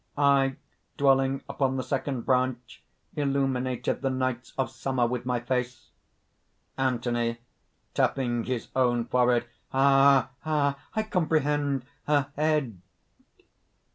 I, dwelling upon the second branch, illuminated the nights of Summer with my face." ANTHONY, (tapping his own forehead: ) "Ah! ah! I comprehend! her head!..."